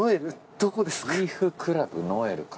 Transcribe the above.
どこですか？